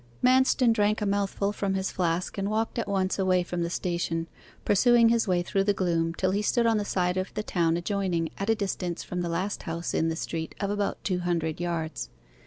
Manston drank a mouthful from his flask and walked at once away from the station, pursuing his way through the gloom till he stood on the side of the town adjoining, at a distance from the last house in the street of about two hundred yards.